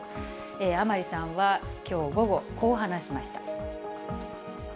甘利さんはきょう午後、こう話しました。